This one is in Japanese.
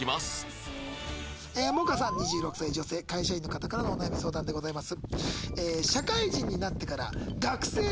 ２６歳女性会社員の方からのお悩み相談でございます。